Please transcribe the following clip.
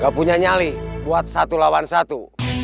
gak punya nyali buat satu lawan satu